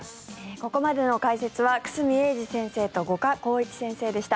ここまでの解説は久住英二先生と五箇公一先生でした。